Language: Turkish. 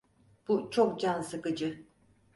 Bu çok can sıkıcı.